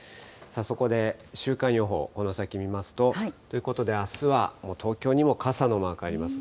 そこで週間予報、この先見ますと、ということで、あすは、もう東京にも傘のマークあります。